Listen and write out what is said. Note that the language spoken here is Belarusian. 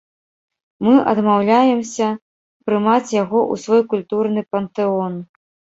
Мы адмаўляемся прымаць яго ў свой культурны пантэон!